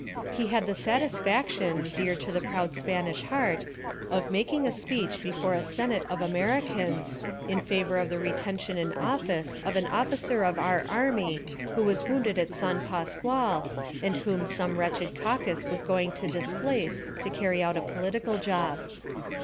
He had the satisfaction, dear to the proud Spanish heart, of making a speech before a Senate of Americans, in favor of the retention in office of an officer of our army who was wounded at San Pazqual and whom some wretched caucus was going to displace to carry out a political job.